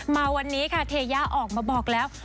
มาวันนี้ค่ะเทยาออกมาบอกแล้ว